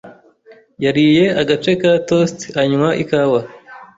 yariye agace ka toast anywa ikawa.